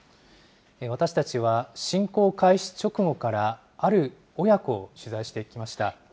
私たちは侵攻開始直後から、ある親子を取材してきました。